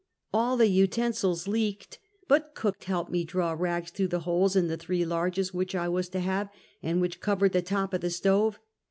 All the utensils leaked, but cook helped me draw rags through the holes in the three largest which I was to have, and which covered the top of the stove.